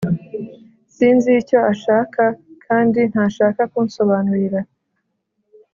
sinzi icyo ashaka kandi ntashaka kunsobanurira